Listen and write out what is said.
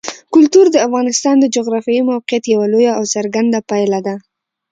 کلتور د افغانستان د جغرافیایي موقیعت یوه لویه او څرګنده پایله ده.